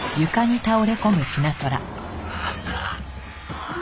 ああ。